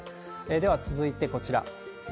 では続いてこちら。